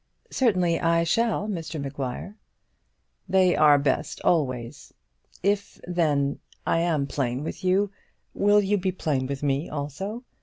"Certainly I shall, Mr Maguire." "They are the best, always. If, then, I am plain with you, will you be plain with me also?